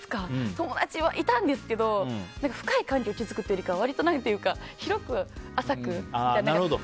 友達はいたんですけど深い関係を築くというよりは割と広く浅くみたいな。